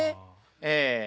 ええ。